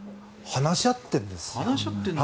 話し合っているんですよ。